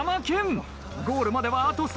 ゴールまではあと少し。